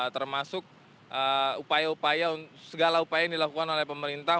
termasuk segala upaya yang dilakukan oleh pemerintah